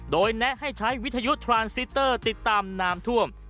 โดยแนะให้ใช้วิทยุทรานซิเตอร์ติดตามน้ำท่วม